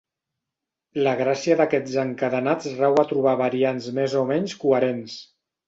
La gràcia d'aquests encadenats rau a trobar variants més o menys coherents.